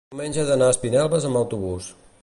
diumenge he d'anar a Espinelves amb autobús.